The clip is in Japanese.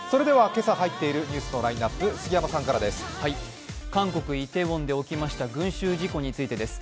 今朝入っているニュースのラインナップ、杉山さんからです。